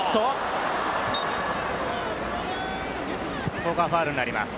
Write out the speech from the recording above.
ここはファウルになりました。